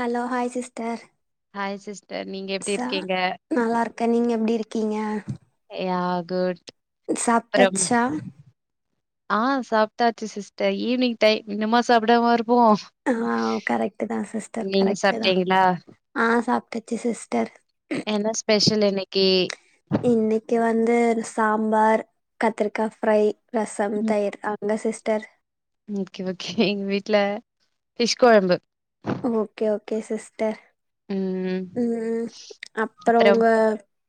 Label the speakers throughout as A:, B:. A: Hello hi sister
B: hi sister நீங்க எப்
A: ச நல்லா இருக்கேன் நீங்க எப்டி இருக்கீங்க
B: யா குட் அப்றம்
A: சாப்ட்டாச்சா
B: ஆ சாப்ட்டாச்சு சிஸ்டர் ஈவினிங் டைம் இன்னும்மா சாப்பிடாம இருப்போம்
A: ஆ கரெக்ட் தான் சிஸ்டர் கரெக்ட் தான்
B: சாப்ட்டீங்களா?
A: ஆ சாப்ட்டுச்சு சிஸ்டர்
B: என்ன ஸ்பெஷல் இன்னைக்கி
A: இன்னைக்கு வந்து சாம்பார் கத்திரிக்காய் ஃப்ரை ரசம்
B: ம்
A: தயிர் அ இல்ல சிஸ்டர்
B: ஓகே ஓகே எங்க வீட்ல பிஷ் குழம்பு
A: ஓகே ஓகே சிஸ்டர்
B: ம்
A: ம் அப்பறம்
B: அப்புறம்
A: உங்க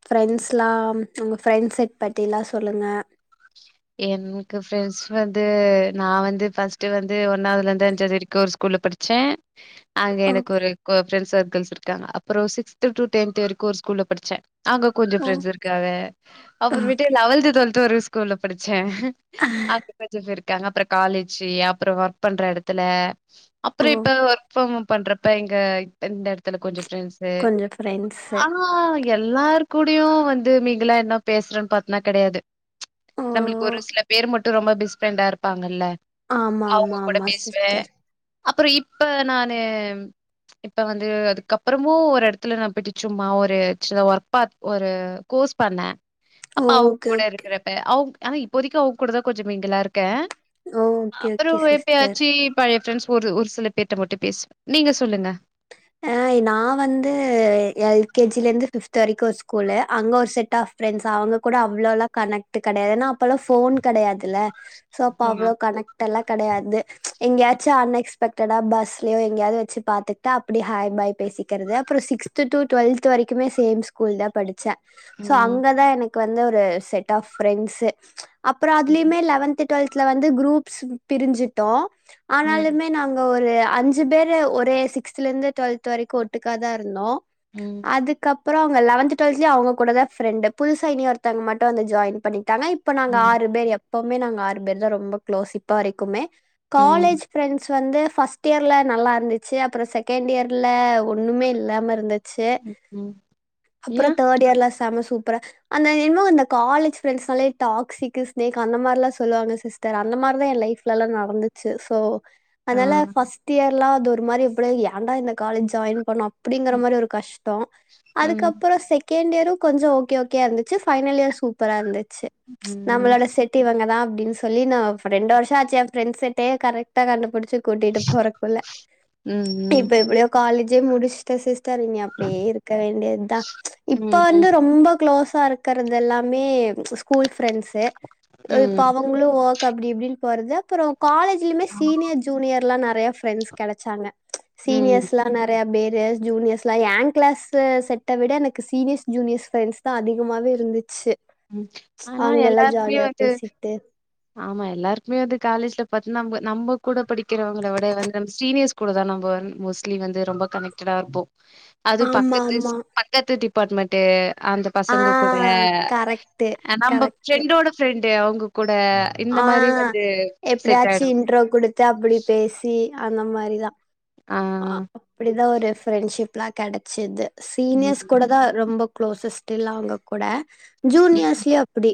A: ஃப்ரெண்ட்ஸ்லாம் உங்க ஃப்ரெண்ட் செட் பத்திலாம் சொல்லுங்க
B: எனக்கு ஃப்ரெண்ட்ஸ் வந்து நான் வந்து ஃபஸ்ட் வந்து ஒன்னாவதுல இருந்து அஞ்சாவது வரைக்கு ஒரு ஸ்கூல்ல படிச்சேன் அங்க
A: ஓ
B: எனக்கு ஒரு கொ ஃரெண்ட்ஸ் சர்க்கள்ஸ் இருகாங்க அப்றோ சிக்ஸ்த் டு டென்த் வரைக்கு ஒரு ஸ்கூல்ல படிச்ச அங்க கொஞ்ச
A: ஓ
B: ஃப்ரண்ட்ஸ் இருக் க்கத அப்பறம் விட்டு
A: ஓகே
B: லெவல்த் டுவெல்த்ல ஒரு ஸ்கூல்ல படிச்சேன் அங் பேச்சஸ் இருக்காங்க அப்பறம் காலேஜு அப்பறம் ஒர்க் பண்ற இடத்துல
A: ஓ
B: அப்பறோ இப்ப ஃபோமம் பண்றப்ப எங்க இந்த இடத்துல கொஞ்சம் ஃப்ரண்ட்ஸ்சு
A: கொஞ்சம் ஃப்ரெண்ட்ஸு
B: ஆனா ஆ எல்லார் கூடயு வந்து மீங்கலாய் என்ன பேசுறேன்னு பாத்னா கெடையாது
A: ஓ
B: நம்மளுக்கு ஒரு சில பேர் மட்டும் ரொம்ப பெஸ்ட் ஃப்ரெண்டா இருப்பாங்கல்ல
A: ஆமா
B: அவுங்க
A: ஆமா
B: கூட
A: ஆமா
B: பேசுவேன்
A: சிஸ்டர்
B: அப்பறம் இப்ப நானு இப்ப வந்து அதுக்கப்புறமு ஒரு இடத்துல நான் போய்ட்டு சும்மா ஒரு சின்னத ஒர்பாத் ஒரு கோர்ஸ் பண்ணே அப்ப அவுங்க
A: ஓகே
B: கூட
A: ஓகே
B: இருக்கிறப்ப அவுங் ஆ இப்ப வரைக்கும் அவுங்க கூடதான் கொஞ்சம் மிங்கல்லா இருக்கேன்
A: ஓகே ஓகே
B: அப்பறம்
A: சிஸ்டர்
B: எப்பயாச்சு பழைய ப்ரெண்டஸ் ஒரு ஒரு சில பேர்ட்ட மட்டும் பேசுவ நீங்க சொல்லுங்க
A: அ நா வந்து எல்கேஜிலேருந்து ஃபிப்த் வரைக்கு ஒரு ஸ்கூலு அங்க ஒரு செட் ஆஃப் ப்ரெண்ட்ஸ் அவங்க கூட அவ்ளோளா கனெக்ட் கெடையாது ஏனா அப்பல்லாம் ஃபோன் கிடையாதுல சோ அப்ப
B: ஆ
A: அவ்ளோ கனெக்ட் எல்லாம் கிடையாது எங்கயாச்சும் அன்எக்ஸ் க்டடா பஸ்லயோ எங்கயாவது வச்சு பாத்துட்டா அப்டி ஹாய் பாய் பேசிக்கிறது அப்பறம் சிக்ஸ்த் டு டுவெல்த் வரைக்குமே சேம் ஸ்கூல் தான் படிச்சேன் சோ
B: ம்
A: அங்கதான் எனக்கு வந்து ஒரு செட் ஆப் ஃப்ரெண்ட்ஸ்சு அப்றம்
B: ம்
A: அதுலயுமே லவென்த் டுவெல்த்ல வந்து குரூப்ஸ் பிரிஞ்சிட்டோம்
B: ம்
A: ஆனாலுமே நாங்க ஒரு அஞ்சு பேர் ஒரே சிக்ஸ்த்ல இருந்து டுவெல்த் வரைக்கும் ஒட்டுக்காதான் இருந்தோம்
B: ம்
A: அதுக்கப்பறம் அவங்க லவன்த் டுவெல்த்லையும் அவுங்க கூட தான் ஃப்ரண்டு புதுசா இனி ஒருத்தங்க மட்டும் வந்து ஜாயின் பண்ணிட்டாங்க ப்ப நாங்க
B: ம்
A: ஆறு பேர் எப்பவுமே நாங்க ஆறு பேர் தான் ரொம்ப க்ளோஸ் இப்ப வரைக்குமே
B: ம்
A: காலேஜ் ப்ரெண்ட்ஸ் க வந்து ஃபஸ்ட் இயர்ல நல்லா இருந்துச்சு அப்பறம் செகண்ட் இயர்ல ஒன்னுமே இல்லாம இருந் சே
B: ம் ஏ
A: அப்பறம் தேர்ட் இயர்ல செம சூப்பரா அந்த என்னமோ அந்த காலேஜ் பிரெண்ட்ஸ்னாலே டாக்சி் ஸ்னேக் அந்த மாரில்லாம் சொல்வாங்க சிஸ் தேர் அந்த மாறிதா என் லைஃப்ல எல்லா நடந்துச்சு சோ
B: ஆ
A: அதனால ஃபர்ஸ்ட் இயர்ல்லா அது ஒரு மாறி எப்டி ஏன்டா இந்த காலேஜ் ஜாயின் பண்ணோ அப்படிங்கற
B: ம்
A: மாறி ஒரு கஷ்டோ
B: ம்
A: அதுக்கப்றோ செக் செகண்ட் இயரும் கொஞ்சோ ஓக்கே ஓக்கே வா இருந்துச்சு பைனல் இயர் சூப்பரா இருந்துச்சு
B: ம் ம்
A: நம்மளோட செட் தி இவங்க தா அப்படின்னு சொல்லி நா ரெண்டு வருஷோ ஆச்சு என் ஃபிரண்ட்ஸ் செட்டே ட்டகாரன புடிச்சு கூட்டிட்டு போறக்குல
B: ம்
A: இப்ப எப்படியோ காலேஜே முடிச் கே சிஸ்டர் இங்க அப்படியே இருக்க வேண்டியது தா இப்ப
B: ம்
A: வந்து ரொம்ப க்ளோஸா இரு இக்கறது எல்லாமே ஸ்கூல் ஃபிரண்ட்ஸ் இப்ப
B: ம்
A: அவங் உங்களும் ஒர்க் அப்டி இப்படின்னு போறது அப்புறோ காலேஜிலயுமே சீனியர் ஜூனியர்ல்லா நறைய ஃப்ரெண்ட்ஸ் கிடைச்சாங்க
B: ம்
A: சீனியர்ஸ்லா நெறைய பேரு ஜூனியஸ்லா ஏ க்ளாஸு செட்ட விட எனக்கு சீனியஸ் ஜூனியஸ் ஃப்ரெண்ஸ் அத்தா அதிகமாவே இருந்துச்சு
B: ம். ஆனா
A: அவங்கல்லா
B: எல்லாருக்குமே
A: ஜாலியா
B: வந்து
A: பேசிட்டு
B: ஆமா எல்லாருக்குமே வந்து காலேஜ்ல பாத்தீன்னா நம் நம்ம கூட படிக்கிறவங்கள விட வந்து நம்ம சீனியர்ஸ் கூட தா நம்போ மோஸ்ட்லி வந்து ரொம்ப கனெக்ட்டா இருப்போ அது
A: ஆமா
B: பக்கத்து
A: ஆமா
B: பக்கத்து டிபார்ட்மெண்ட்டு அந்த
A: ஆ
B: பசங்க கூட
A: கரெக்ட்டு
B: நம்ம
A: கரெக்ட்டு
B: ப்ரெண்டோட ஃப்ரெண்டு அவங்க கூட இந்த
A: ஆ
B: மாரி வந்து செட்
A: எப்படியாச்சு
B: ஆயிடும்.
A: இன்ட்ரோ குடுத்து அப்டி பேசி அந்த மாறிதா
B: ஆ.
A: அ அப்டிதா ஒரு ஃப்ரெண்ட்ஷிப்ல்லா கிடைச்சது சீனியர்ஸ்
B: ம்.
A: கூட தா ரொம்ப குளோசஸ்ட் இல்ல அவுங்க கூட
B: ம்,
A: ஜூனியர்ஸ்லயு அப்டி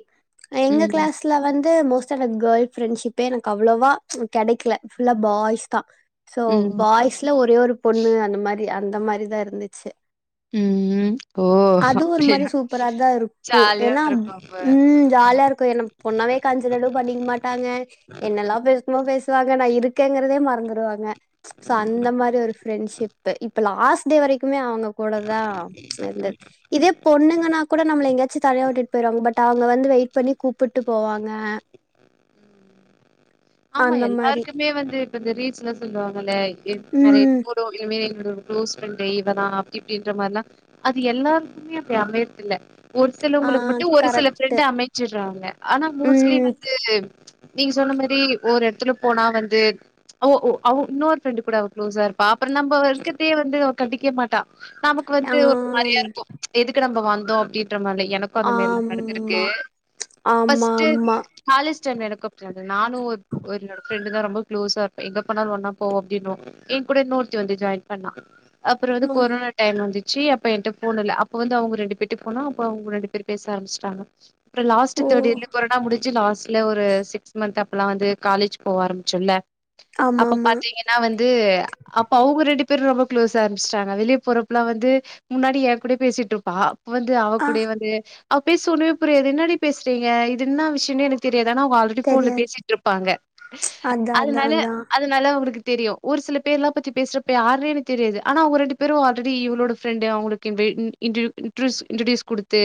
A: எங்க
B: ம்,
A: கிளாஸ் இதுல வந்து மோஸ்ட்டா எனக்கு கேல் ஃப்ரெண்ட்ஷிப்பே எனக்கு அவ்வளோவா கெடைக்ல ஃபுல்லா பாய்ஸ் தா சோ
B: ம்,
A: பாய்ஸ்ல ஒரே ஒரு பொண்ணு அந்த மாறி அந்த மாறிதா இருந்துச்சு
B: உம்
A: அதுவு ஒரு மாறி சூப்பரா தா இருக்கும்
B: ஜாலியா
A: ஏன்னா
B: இருந்திருக்கும் அப்ப.
A: உம் ஜாலியா இருக்கும் என்ன பொண்ணாவே கான்சிட அளவு பண்ணிக்க மாட்டாங்க என்னல்லா
B: ம்.
A: பேசு சும்மா பேசுவாங்க நா இருக்கேங்கிறதே மறந்துருவாங்க சோ இந்த மாறி ஒரு ஃப்ரெண்ட்ஷிப்பு இப்ப லாஸ்ட்டே வரைக்குமே அவுங்க கூடதா இருந்தது இதே பொண்ணுங்கன்னா கூட நம்மல எங்காச்சு தனியா விட்டு போயிருவாங் பட் அவுங்க வந்து வெயிட் இப்ப பண்ணி கூப்பிட்டு போவாங்க
B: ஆமா
A: அந்த மாரி
B: எல்லாருக்குமே வந்து இப்ப இந்த ரீல்ஸல சொல்லுவாங்கல்ல நிறைய
A: ம்
B: ஓடும் இனிமே என்னோட க்ளோஸ்ஃப்ரெண்டே இவதா அப்டி இப்டின்ற மாரிலா அது எல்லாருக்குமே அப்டி அமையற்தில்ல ஒரு
A: ஆ
B: சிலவங்களுக்கு மட்டு ஒரு சில
A: கரெக்ட்டு
B: ஃப்ரெண்டு அமைச்சுறாங்க ஆனா மோஸ்ட்லி
A: ம்
B: து நீங்க சொன்ன மாறி ஒரு எடத்துல போனா வந்து ஓ ஓ அவ இன்னொரு ஃப்ரெண்டு கூட அவ குளோஸா இருப்பா அப்ப நம்ம இருக்கத்தே வந்து அவ கண்டுக்கவே மாட்ட டா நமக்கு
A: ஆ
B: வந்து ஒரு மாறியா இருக்கும் எதுக்கு நம்ப வந்தோ அப்டின்ற மாறி எனக்கு எப்ப அந்த மாறில்லா நடந்துருக்கு
A: ஆமா ஆமா
B: ஃபர்ஸ்ட்டு
A: ஆமா
B: காலேஜ் டைம்ல எனக்கு அப்டிதா இர்ந்தது நானு ஒரு என்னோட ஃப்ரெண்டு்ங்க ரொம்ப க்ளோஸா இருப்போ எங்க போனாலு ஒன்னா போவோம் அப்படின்னுவோம் என் கூட இன்னொருத்தி வந்து ஜாயின் பண்ணா அப்றோ வந்து
A: ஓ
B: கொரோனா டைம் வந்துச்சு அப்ப என்ட ஃபோன் இல்ல அப்ப வந்து அவுங்க ரெண்டு பேட்டு போனோ அப்ப அவங்க ரெண்டு பேரும் பேச ஆரம்பிச்சுட்டாங்க அப்புறோ லாஸ்ட்
A: ஓ
B: தேர்ட் இயர்ல கொரானா முடிச்சு லாஸ்ட்ல ஒரு சீக்ஸ் மந்த் அப்பல்லா வந்து காலேஜ் போவ ஆரம்பிச்சுல
A: ஆமா
B: அப்ப
A: ஆமா
B: பாத்தீங்கன் ஆனா வந்து அப்ப அவுங்க ரெண்டு பேரு ரொம்ப க்ளோஸ் ஆரம்ஷ்ட்டாங்க வெளிய போறப்புலா வந்து முன்னாடி யார் கூடயோ பேசிட்டு இருப்பா இப்ப வந்து அவ
A: ஆ
B: கூடயே வந்து அவ பேச ஒண்ணுமே புரியாது இன்னாடி பேஸ்றீங்க இது இன்னா விஷ்யன்னே எனக் தெரியாது ஆனா அவுங்க ஆல்ரெடி ஃபோன்ல
A: தெரியாது
B: பேசிட்ருப் பாங்க
A: அதா அதா
B: அதுனால அது
A: அதா
B: அதுனால அவுளுக்கு தெரியு ஒரு சில பேர்லா பத்தி பேசுறப்ப யார்னே எனக் தெரியாது ஆனா அவுங்க ரெண்டு பேரு ஆல்ரெடி இவளோட ஃபிரண்டு அவுங்களுக்கு இட்டின் போயி இன்ட்டியூ இன்ரூஸ் இன்ட்ரோடியூஸ் குடுத்து.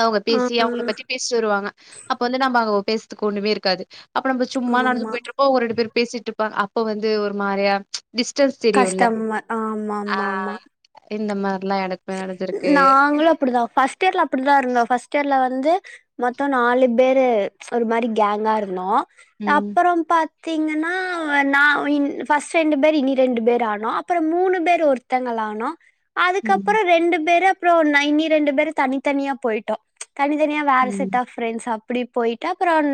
B: அவுங்க
A: ஆ
B: பேசி
A: ஆ,
B: அவுங்கள பத்தி பேஸ்ட்டு வருவாங்க அப்ப வந்து நம்ம அங்க பேஸ்துக்கு ஒண்ணுமே இருக்காது அப்ப நம்ம சும்மா நடந்து
A: ஆமா
B: போய்ட்ருப்போ அவ்ங்க ரெண்டு பேரு பேசிட்ருப்பாங்க அப்போ வந்து ஒரு மாரியா டிஸ்டன்ஸ் தெரியுல
A: கஷ்டமா ஆமா
B: ஆ
A: ஆமா ஆமா
B: இந்த மார்லா எனக்
A: நாங்களு அப்படிதா ஃபஸ்ட் இயர்ல அப்படிதா இருந்தோ ஃபஸ்ட் இயர்ல வந்து மொத்தோ நாலு பேரு ஒரு மாரி கேங்கா இருந்தோ
B: ம்.
A: அப்புறோ பாத் பத்தீங்கன்னா நா இன் ஃபஸ்ட் ரெண்டு பேர் இனி ரெண்டு பேர் ஆனோ அப்புறோ மூணு பேர் ஒருத் த்தங்களானோ
B: ம்.
A: அதுக்கப்புறோ ரெண்டு பேரு அப்புறோ நைனி ரெண்டு பேரு தனித்தனியா போய்ட்டோ தனித்தனியா வேற செட்
B: ம்.
A: ஆஃப் ஃப்ரெண்ட்ஸ் அப்பிடி போயிட்டு அப்பறம்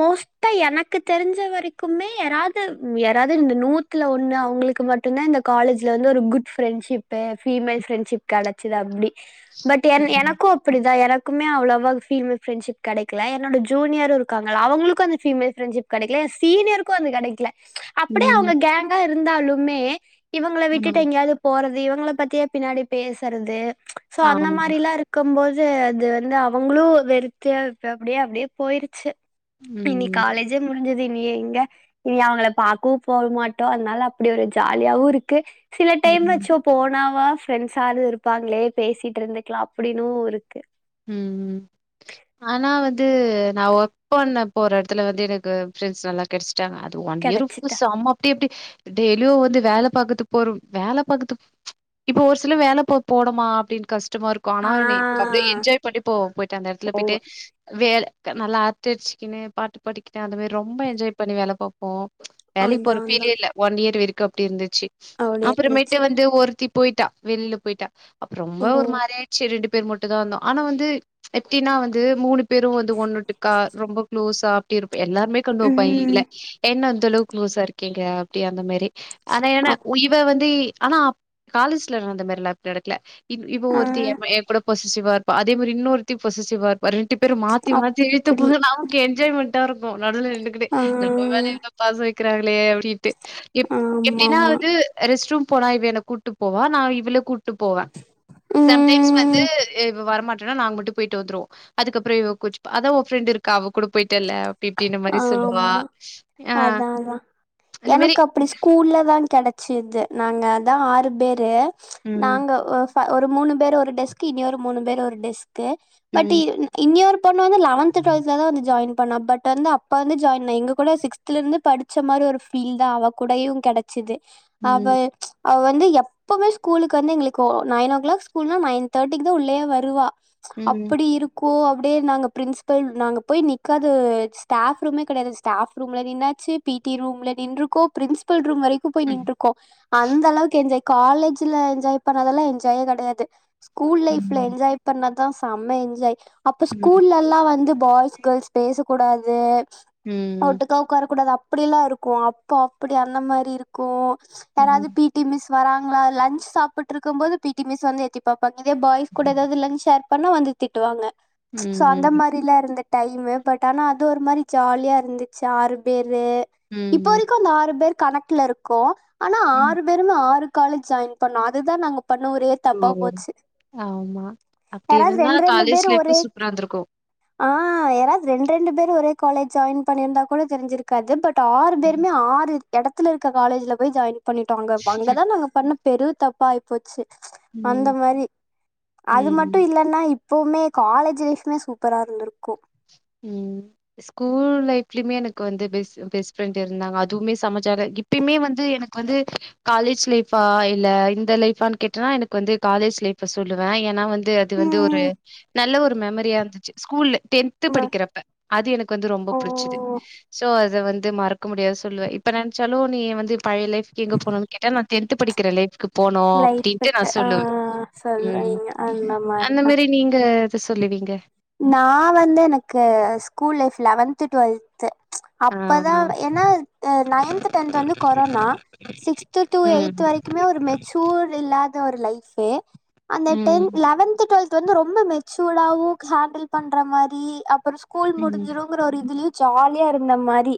A: மோஸ்டா எனக்கு தெரிஞ்ச வரைக்குமே யாராது யாராது இந்த நூ த்துல ஒண்ணு அவுங்களுக்கு மட்டுந்தா இந்த காலேஜ்ல வந்து ஒரு குட் ஃப்ரெண்ஷிப்பு ஃபீமேல் ஃப்ரெண்ஷிப் கெடச்சிது அப்டி பட் என்
B: ம்.
A: எனக்கு அப்படிதா எனக் க்குமே அவ்ளவா ஃபீமேல் ஃப்ரெண்ஷிப் கெடைக்ல என்னோட ஜூனியரு இருக்காங்கல அவங்களுக்கு அந்த ஃபீமேல் ஃப்ரெண்ஷிப் கெடைக்கல சீனியருக்கும் அது கெடைக்கல அப்படியே
B: ம்.
A: அவுங்க கேங்கா இருந்தாலுமே இவுங்கள
B: ஆ.
A: விட்டுட்டு எங்கேயாவ்து போறது இவங்கள பத் த்தியே பின்னாடி பேசுறது சோ அந்த
B: ஆமா.
A: மாரிலாம் இருக் க்கும்போது அது வந்து அவுங்களு வெறுத்து இ அப்டியே அப்டியே போயிருச்சு இனி
B: ம்.
A: காலேஜே முடி ஞ்சது இனிய இங்க இனி அவுங்கள பாக்கவு போ மாட்டோ அதனால அப்படி ஒரு ஜாலியாவு இருக்கு சில டைம்
B: ம்.
A: அச்சோ போனாவா ஃப்ரெண்ட்ஸாது இருப்பாங்களே பேசிட்ருந்துக்கலா அப்படினு இருக்கு
B: ம் ம் ஆனா வந்து நா ஒர்க் பண்ண போற எடத்துல வந்து எனக்கு ஃப்ரெண்ஸ் நல்லா கெடச் [unintelligible] அது ஒன் இயர்கு
A: கெடச்சிட்ட
B: சம அது எப்டி டெய்லியு வந்து வேல பாக்கற்து போறோ வேல பாக்கற்துக் இப்போ ஒரு சில வேல போ போடமா அப்டின் கஸ்டமா இருக்கு ஆனா
A: ஆ
B: நீ அப்டே என் என்ஜாய் பண்ட்டே போவோ போய்ட்டு அந்த எடத்துல
A: போவ
B: போய்ட்டு வேல நல்லா அர்ட்ட அடிச்சிக்கினு பாட்டு பாடிக்கினு அந்த மேரி ரொம்ப என்ஜாய் பண்ணி வேல பாப்போம் வேலைக்
A: அதா
B: போற
A: அதா
B: ஃபீலே இல்ல ஒன் யேர் வெரிக்கு அப்டி இருந்துச்சு
A: அப்டி
B: அப்புறமேட்டு
A: இருந்துச்சு
B: வந்து ஒருத்தி போய்ட்டா வெளில போய்ட்டா அப்போ ரொம்ப
A: ஓ
B: ஒரு மாரி ஆயிட்ச்சு ரெண்டு பேர் மட்டுதா இருந்தோ ஆனா வந்து எப்டின்னா வந்து மூணு பேரும் வந்து ஒண்ணுட்டுக்கா ரொம்ப குளோஸா டிருப்ப எல்லாருமே கண்ணு வெப்பாங்கல
A: ம்
B: என்ன இந்த அளவுக்கு குளோஸ்ஸா இருக்கீங்க அப்டி அந்த மேரி ஆனா ஏன்னா
A: அப்
B: உய் இவ வந்து ஆனா காலேஜ்ல இரு அந்த மாரி எல்லாம் அப்டி நடக்கல இப் இவ
A: ஆ
B: ஒருத்தி ஏங்கூட பொசசிவா இருப்பா அதேமேரி இன்னொருத்தி பொசசிவா இருப் அ ரெண்டு பேரும் மாத்தி மாத்தி
A: அப்டி
B: இழுத்துபாங்க நமக்கு என்ஜாய்மண் ட்டாருக்கு நடுவுல நிண்டுகிட்டு
A: ஆ
B: நம்பமேல இவ்ளோ பாசோ வெக்கிறாங்களே அப்டின் எம் எப்டினா
A: ஆமாமா
B: அது ரெஸ்ட் ரூம் போனா இவ என்ன கூட்டுப்போவா நா இவள கூ ட்டுப்போவ சம்டைம்ஸ் வந்து
A: ம்
B: வரமாடன்னா நாங்க மட்டும் போயிட்டு வந்துருவோ அதுக்கப்புறம் இவ கோசிப்பா அதான் உன் ஃப்ரெண்ட இருக்கா அவ கூட போயிட்டல்ல திட்டி இந்த மாரி சொல்லுவா
A: ஆமா
B: ஆ அந்த மேரி
A: கூல்லதா கெடச்சிது நாங்க அதா ஆறு பேரு
B: ம்,
A: நாங்க ஒ ப ஒரு மூணு பேரு ஒரு டெஸ்க் இனி ஒரு மூணு பேரு ஒரு டெஸ்க்கு பட்
B: ம்,
A: இன்னியொரு பொண்ணு வந்து லெவன்த்து டுவெல்த்லதா வந்து ஜாய்ன் பண்ணா பட் பட் வந்து அப்ப வந்து ஜாயின் எங்க கூட சிக்ஸ்த்லெருந்து படிச்ச மாரி ஒரு ஃபீல் தா அவ கூடயு கெடச்சது அவ
B: ம்,
A: அவ வந்து எப்பமே ஸ்கூலுக்கு வந்து எங்ளுக்கு நைன் ஓ கிளாக் ஸ்கூல்னா நைன் தேட்டிக்கு தா உள்ளயே வருவா
B: ம்,
A: அப்டி இருக்கோ அப்டியே நாங்க பிரின்ஸிபல் நாங்க போய் நிக்காத ஸ்டாப் ரூமே கெடையாது ஸ்டாப் ரூம்ல நின்னாச்சு பீடி ரூம்ல நின்ருக்கோ பிரின்ஸ் பில் ரூம் வரைக்கு போய் நின்ட்ருகோ அந்த அளவுக்கு என்ஜாய் காலேஜ்ல என்ஜாய் பண்ணதெல்லாம் என்ஜாயே கெடையாது ஸ்கூல் லைஃப்ல
B: ம்,
A: என்ஜாய் பண்ண அத செம்ம என்ஜாய் அப்ப
B: ம்,
A: ஸ்கூல்லல்லா வந்து பாய்ஸ் கேள்ஸ் பேசக்க கூடாது
B: ம்
A: ஓட்டுக்க உக்காரக்க கூடாது அப்படிலா இருக்கு அப்போ அப்டி அந்த மாதிரி இருக்கு யாராது
B: ம்.
A: பிக் பீ டி மிஸ் வராங்களா லச் சாப்ட்டு இருக்கும் போது பீ டி மிஸ் வந்து எத்தி இப்ப பாத்தியா பாய்ஸ் கூட ஏதாவது லச் ஷேர் பண்ணா வந்து திட்டுவாங்க சோ அந்த
B: ம்.
A: மாரி தில்லா இருந்த டைமு பட் ஆனா அது ஒரு மாரி ஜாலியா இருந்துச்சு ஆறு பேரு இப்ப
B: ம்.
A: வறைக்கு அந்த ஆறு பேர் கணக்குல இருக்கோ ஆனா
B: ம்.
A: ஆறு வேறுமே ஆறு காலேஜ் ஜாயின் பண்ணோ அதுதா நாங்க பண்ண ஒரே தப்பா
B: ஓ
A: போச்சு
B: ஆமா அப்படி
A: யாராவது
B: இருந்தா காலேஜ்
A: பேர்
B: லைப்பு
A: ஒரே
B: சூப்பரா இருந்திருக்கு
A: ஆ யாராது ரெண்டு ரெண்டு பேர் ஒரே காலேஜ் ஜாயின் பண்ணியிருந்தா கூட தெரிஞ்சிருக்காது பட் ட ஆறு பேருமே ஆறு எடத்துல இருக்க காலேஜ்ல போய் ஜாயின் பண்ணிட்டோ அங்க அங்கதா நாங்க பண்ண பெரு தப்பா ஆயிப்போச்சு அந்த
B: ம்.
A: மாரி அது
B: ம்.
A: மட்டு இல்ல இன்னா இப்பவுமே காலேஜ் லைஃப்மே சூப்பரா இருந்திருக்கு
B: ம் ஸ்கூல் லைப்லயுமே எனக்கு வந்து பெஸ் பெஸ்ட் ஃப்ரெண்ட் இருந்தாங்க அதுவுமே சமஜாலியா இப் இப்பயுமே வந்து எனக்கு வந்து காலேஜ் லைஃபா இல்ல இந்த லைஃபான்னு கேட்டன்னா எனக்கு வந்து காலேஜ் லைஃப சொல்லுவே ஏன்னா வந்து இது அது வந்து ஒரு
A: ம்,
B: நல்ல ஒரு மெமரியா இருந்துச்சு ஸ்கூல்ல டே த்து
A: ம்.
B: படிக்கிறப்ப அது எனக்கு வந்து ரொம்ப
A: ஓ!
B: புடுச்சுது சோ இது வந்து மறக்க முடியாதது சொல்லுவே இப்ப நெனைச்சாலு நீ வந்து பழைய லைஃக்கு எங்க போணு கேட்டா நா டென்த்து படிக்கிற லைஃக்கு போனோ அப்டின்ட்டு நா
A: லைஃப்க்கு ஆ
B: சொல்லுவே ம்
A: சொல்றீங்க. அந்த
B: அந்த
A: தான்.
B: மாரி நீங்க எது சொல்லுவீங்க
A: நா வந்து எனக்கு ஸ்கூல் லைஃப் லெவன்த்து டுவெல்த்து
B: ஆ
A: அப்பதா ஏன்னா நைன்த்து டென்த்து வந்து கொரோனா சிக்ஸ்த்து டூ எய்த்து
B: ம்
A: வரைக்குமே ஒரு மெச்சூர் இல்லாத ஒரு லைஃப் கே அந்த டென்
B: ம்
A: லெவன்த்து டுவெல்த்து வந்து ரொம்ப மெச்சூடாவு ஹேண்டில் பண்ற மாரி அப்பற ஸ்கூல்
B: ம்
A: முடிஞ்சிருங்கிற ஒரு இதுலயு ஜாலியா இருந்த மாரி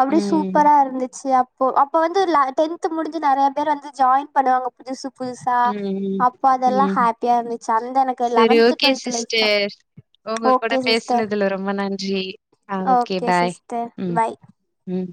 A: அப்டி
B: ம்.
A: சூப்பரா இருந்துச்சு அப்போ அப்ப வந்து ல டென்த்து முடிஞ்சு நெறைய பேரு வந்து ஜாயின் பண்ணுவாங்க புதுசு புதுசா
B: ம், ம்,
A: அப்ப அதெல்லா
B: ம்.
A: ஹாப்பியா இருந்துச்சு அந்த எனக்கு லெவன்த்து டுவெல்த்து லைஃப் தா
B: ஒங்க கூட பேசுனதுல ரொம்ப நன்றி ஆ
A: அ
B: ஓகே
A: ஓக்கே
B: பாய்.
A: சிஸ்டர்
B: ம்,
A: பாய்
B: ம்